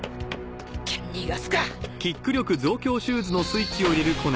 逃がすか！